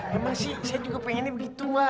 memang sih saya juga pengennya begitu